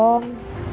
udah makan belum